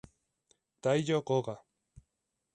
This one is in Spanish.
Taiyo Koga